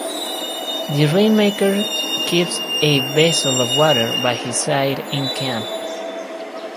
The rain-maker keeps a vessel of water by his side in camp.